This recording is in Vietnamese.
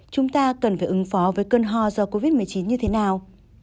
chúng ta cần phải ứng phó với cơn ho do covid một mươi chín như thế nào